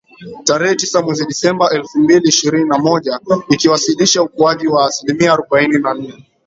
Tarehe Tisa mwezi Disemba elfu mbili ishirini na moja ikiwasilisha ukuaji wa asilimia arubaini na nne